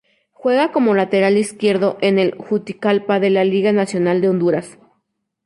Juega como lateral izquierdo en el Juticalpa de la Liga Nacional de Honduras.